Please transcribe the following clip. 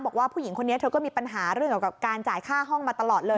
บอกว่าผู้หญิงคนนี้เธอก็มีปัญหาเรื่องเกี่ยวกับการจ่ายค่าห้องมาตลอดเลย